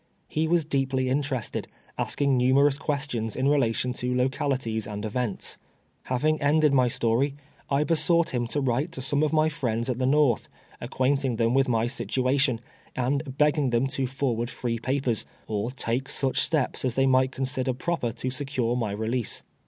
He was deeply interested, asking numerous rpiestions in reference to localities and events. Having ended my stoiy I besought him to write to some of my friends at the IS^orth, accpiaint ing them with my situation, and begging them to for ward free papers, or take such steps as they might consider proper to secure my i elease.